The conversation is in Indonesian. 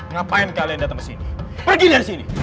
ngapain kalian datang ke sini pergi dari sini